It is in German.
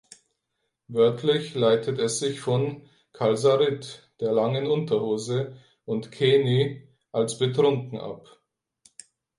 Wörtlich leitet es sich von „Kalsarit“ der (langen) Unterhose und „känni“ als betrunken ab.